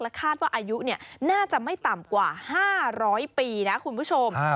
คาดว่าอายุน่าจะไม่ต่ำกว่า๕๐๐ปีนะคุณผู้ชม